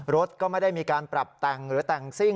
รถก็ไม่ได้มีการปรับแต่งหรือแต่งซิ่ง